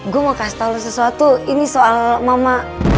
gue mau kasih tau sesuatu ini soal mama